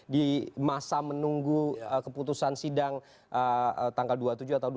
di masa menunggu keputusan sidang tanggal dua puluh tujuh atau dua puluh